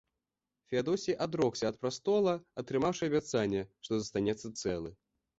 Феадосій адрокся ад прастола, атрымаўшы абяцанне, што застанецца цэлы.